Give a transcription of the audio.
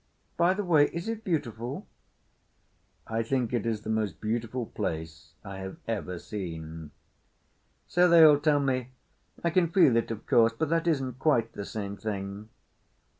By the way, is it beautiful?" "I think it is the most beautiful place I have ever seen." "So they all tell me. I can feel it, of course, but that isn't quite the same thing."